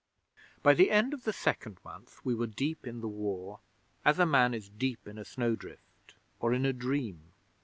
'By the end of the second month we were deep in the War as a man is deep in a snowdrift, or in a dream.